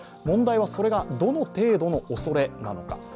問題はそれがどの程度のおそれなのか。